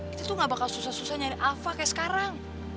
kita tuh gak bakal susah susah nyari alfa kayak sekarang